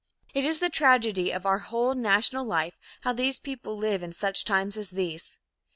"It is the tragedy of our whole national life how these people live in such times as these.